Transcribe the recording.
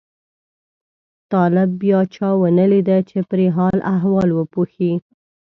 طالب بیا چا ونه لیده چې پرې حال احوال وپوښي.